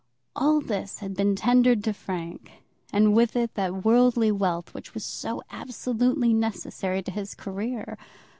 All this had been tendered to Frank, and with it that worldly wealth which was so absolutely necessary to his career.